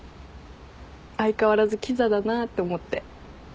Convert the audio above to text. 相変わらずきざだなって思って。